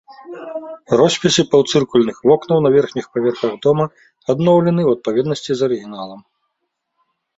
Роспісы паўцыркульных вокнаў на верхніх паверхах дома адноўлены ў адпаведнасці з арыгіналам.